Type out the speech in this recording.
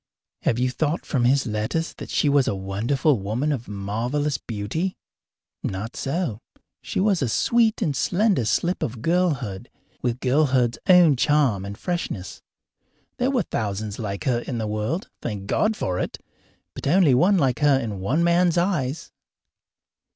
Have you thought from his letters that she was a wonderful woman of marvellous beauty? Not so. She was a sweet and slender slip of girlhood, with girlhood's own charm and freshness. There were thousands like her in the world thank God for it! but only one like her in one man's eyes.